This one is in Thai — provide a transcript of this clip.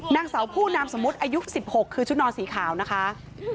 นางเสาผู้นามสมุทรอายุสิบหกคือชุดนอนสีขาวนะคะ